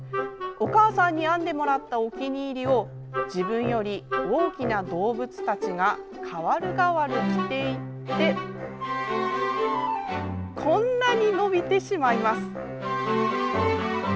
お母さんに編んでもらったお気に入りを自分より大きな動物たちが代わる代わる着ていってこんなに伸びてしまいます。